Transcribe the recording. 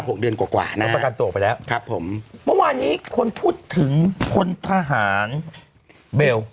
เมื่อวานี้คนพูดถึงคนทหารเบล